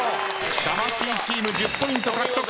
魂チーム１０ポイント獲得。